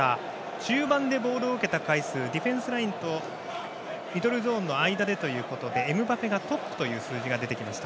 中盤でボールを受けた回数ディフェンスラインとミドルゾーンの間でというところでエムバペがトップという数字が出てきました。